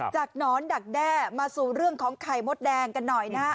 หนอนดักแด้มาสู่เรื่องของไข่มดแดงกันหน่อยนะฮะ